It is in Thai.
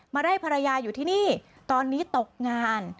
มาไล่ภรรยาอยู่ที่นี่ตอนนี้ตกงาน